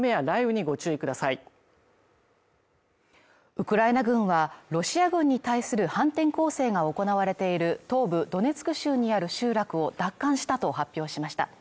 ウクライナ軍はロシア軍に対する反転攻勢が行われている東部ドネツク州にある集落を奪還したと発表しました。